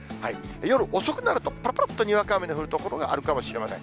夜遅くなると、ぱらぱらっとにわか雨降る所があるかもしれません。